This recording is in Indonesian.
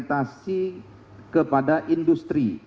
dan juga dengan kelebihan industri